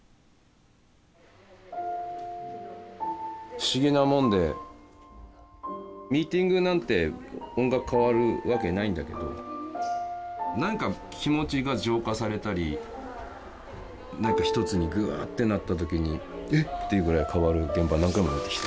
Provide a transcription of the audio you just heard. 不思議なもんでミーティングなんて音楽変わるわけないんだけどなんか気持ちが浄化されたりなんか一つにグワーッてなった時にえっ！っていうぐらい変わる現場何回も見てきた。